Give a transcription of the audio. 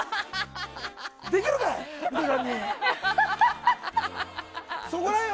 できるかい？